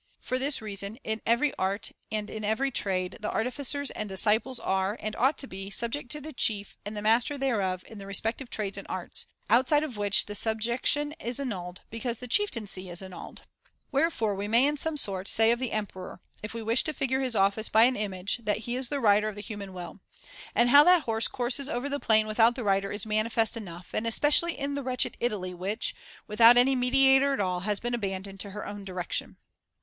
For this reason, in every art and in every trade the artificers and disciples are, and ought to be, subject to the chief and the master thereof in the respective trades and arts, outside of which the subjection is annulled, because the chieftaincy [1003 is annulled. Wherefore we may in some sort say of the emperor, if we wish to figure his office by an image, that he is the rider of the human will. And how that horse courses over the plain without the rider is manifest enough, and especially in the wretched Italy which, with out any mediator at all, has been abandoned to her own direction.